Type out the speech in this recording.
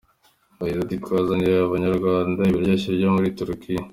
Yagize ati “Twazaniye Abanyarwanda ibiryoshye byo muri Turikiya.